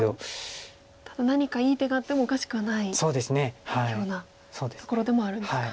ただ何かいい手があってもおかしくはないようなところでもあるんですか。